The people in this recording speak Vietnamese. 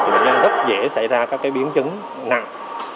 thì bệnh nhân rất dễ xảy ra các biến chứng nặng